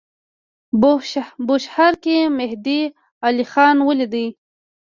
بوشهر کې مهدی علیخان ولیدی.